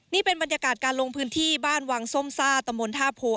นี่เป็นบรรยากาศการลงพื้นที่บ้านวังส้มซ่าตะมนต์ท่าโพ